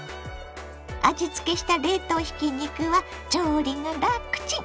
味つけした冷凍ひき肉は調理がラクチン！